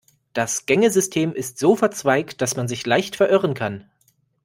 Das Gängesystem ist so verzweigt, dass man sich leicht verirren kann.